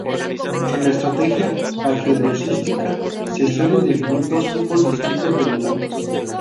En la estrategia ajedrecística se suelen definir dos tipos distintos de elementos.